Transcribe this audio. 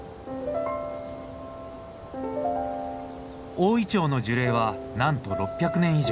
大イチョウの樹齢はなんと６００年以上。